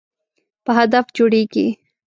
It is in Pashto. په هدف جوړیږي.